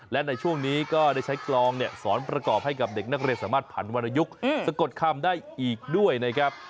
และในช่วงนี้ก็ได้ใช้กลองสอนประกอบให้กับเด็กนักเรียนสามารถผันวรยุคสะกดคำได้อีกด้วยนะครับ